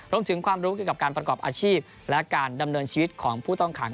รวมถึงความรู้เกี่ยวกับการประกอบอาชีพและการดำเนินชีวิตของผู้ต้องขัง